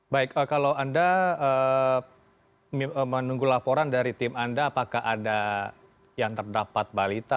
baik kalau anda menunggu laporan dari tim anda apakah ada yang terdapat balita